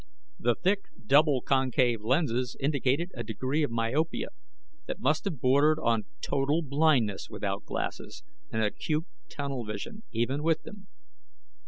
The thick, double concave lenses indicated a degree of myopia that must have bordered on total blindness without glasses, and acute tunnel vision, even with them.